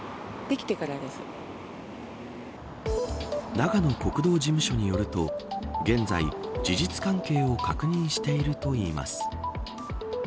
長野国道事務所によると現在、事実関係を確認しているといいます。